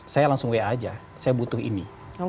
saya langsung wa aja saya butuh ini